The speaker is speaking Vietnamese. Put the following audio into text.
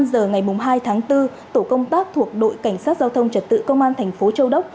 một mươi năm h ngày hai tháng bốn tổ công tác thuộc đội cảnh sát giao thông trật tự công an tp châu đốc